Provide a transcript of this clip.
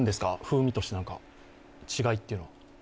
風味として違いというのは。